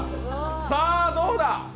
さあどうだ！？